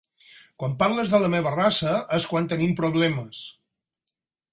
Quan parles de la meva raça és quan tenim problemes.